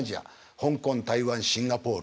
香港台湾シンガポール。